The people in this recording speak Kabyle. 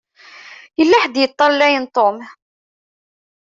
Yella ḥedd i yeṭṭalayen Tom.